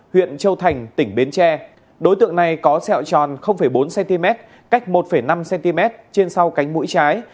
huyện châu thành tỉnh bến tre đối tượng này có sẹo tròn bốn cm cách một năm cm trên sau cánh mũi trái